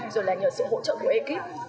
rồi là nhờ sự hỗ trợ của ekip